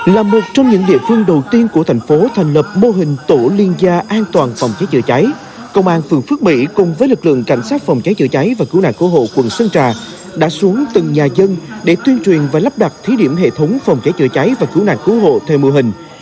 là một trong những địa phương đầu tiên của thành phố thành lập mô hình tổ liên gia an toàn phòng cháy chữa cháy công an phường phước mỹ cùng với lực lượng cảnh sát phòng cháy chữa cháy và cứu nạn cứu hộ quận sơn trà đã xuống từng nhà dân để tuyên truyền và lắp đặt thí điểm hệ thống phòng cháy chữa cháy và cứu nạn cứu hộ theo mô hình